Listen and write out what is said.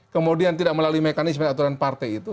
kemudian tidak melalui mekanisme aturan partai itu